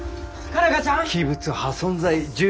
佳奈花ちゃん！